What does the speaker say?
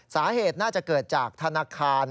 สาเหตุน่าจะเกิดจากธนาคาร